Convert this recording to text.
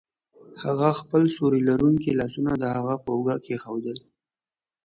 هغه خپل سیوري لرونکي لاسونه د هغه په اوږه کیښودل